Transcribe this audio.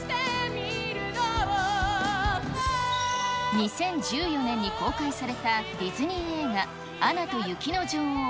２０１４年に公開されたディズニー映画、アナと雪の女王。